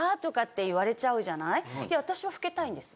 いや私は老けたいです！